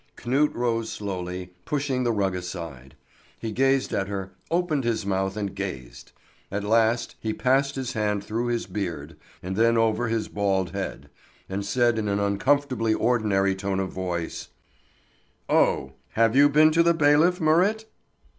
Knut rose slowly, pushing the rug aside. He gazed at her, opened his mouth and gazed. At last he passed his hand through his beard, and then over his bald head, and said in an uncomfortably ordinary tone of voice: "Oh, have you been to the bailiff, Marit?"